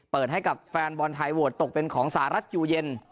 เปิดให้กับแฟนบอลไทยโหวตตกเป็นของสหรัฐอยู่เย็น